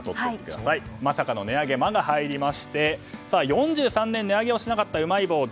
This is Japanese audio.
まさかの値上げの「マ」が入りまして４３年、値上げをしなかったうまい棒。